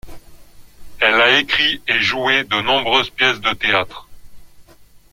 Elle a écrit et joué de nombreuses pièces de théâtre.